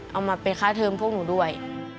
เอามาเป็นค่าเทิมพวกหนูด้วย